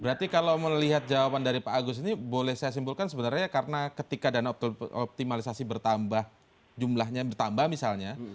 berarti kalau melihat jawaban dari pak agus ini boleh saya simpulkan sebenarnya karena ketika dana optimalisasi bertambah jumlahnya bertambah misalnya